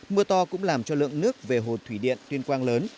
mưa to cũng làm cho lượng nước về hồ thủy điện tuyên quang lớn